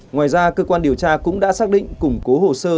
ngoài ra cơ quan điều tra cũng đã xác định củng cố hồ sơ